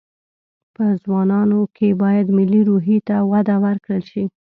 په ځوانانو کې باید ملي روحي ته وده ورکړل شي